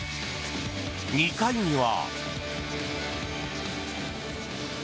２回には。